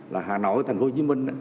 là hà nội và tp hcm